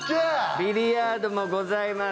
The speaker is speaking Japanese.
ビリヤードもございます。